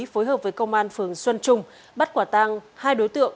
phối hợp với công an phường xuân trung bắt quả tang hai đối tượng